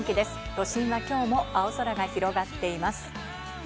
都心はきょうも青空が広がっています。